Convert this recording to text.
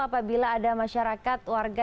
apabila ada masyarakat warga